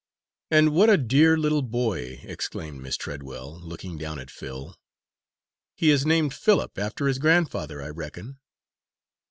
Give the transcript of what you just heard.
"And what a dear little boy!" exclaimed Miss Treadwell, looking down at Phil. "He is named Philip after his grandfather, I reckon?"